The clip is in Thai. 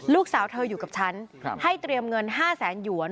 ลูกสาวเธออยู่กับฉันให้เตรียมเงิน๕แสนหยวน